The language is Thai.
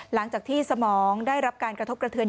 หลังจากที่สมองได้รับการกระทบกระเทือน